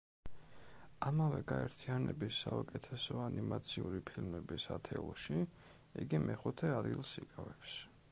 ამავე გაერთიანების საუკეთესო ანიმაციური ფილმების ათეულში იგი მეხუთე ადგილს იკავებს.